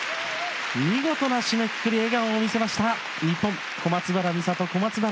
見事な締めくくり笑顔を見せました日本小松原美里小松原尊。